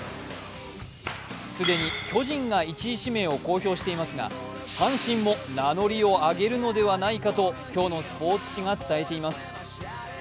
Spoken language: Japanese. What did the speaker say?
既に巨人が１位指名を公表していますが、阪神も名乗りを上げるのではないかと今日のスポーツ紙が伝えています。